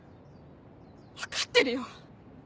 分かってるよ。